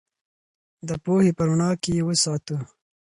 د پوهې په رڼا کې یې وساتو.